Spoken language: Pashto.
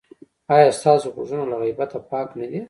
ایا ستاسو غوږونه له غیبت پاک نه دي؟